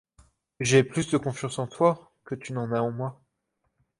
J’ai plus de confiance en toi que tu n’en as en moi.